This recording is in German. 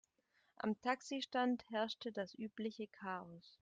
Am Taxistand herrschte das übliche Chaos.